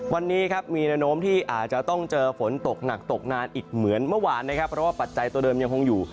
วันนี้ครับมีแนวโน้มที่อาจจะต้องเจอฝนตกหนักตกนานอีกเหมือนเมื่อวานนะครับเพราะว่าปัจจัยตัวเดิมยังคงอยู่